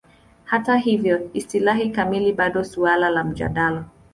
Hata hivyo, istilahi kamili bado suala la mjadala.